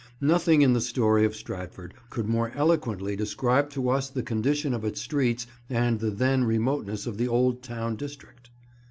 Nothing in the story of Stratford could more eloquently describe to us the condition of its streets and the then remoteness of the Old Town district.